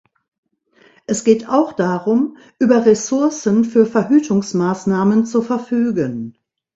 Es geht auch darum, über Ressourcen für Verhütungsmaßnahmen zu verfügen.